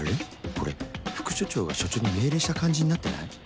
これ副署長が署長に命令した感じになってない？